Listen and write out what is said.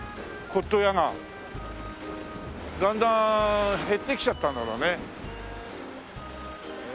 だんだん減ってきちゃったんだろうね。